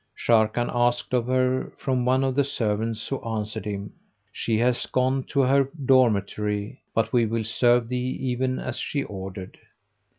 Sharrkan asked of her from one of the servants who answered him, "She hath gone to her dormitory; but we will serve thee even as she ordered."